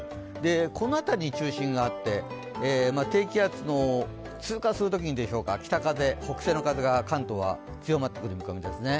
この辺りに中心があって低気圧の通過するときでしょうか、北風、北西の風が関東は強まってくる予想ですね。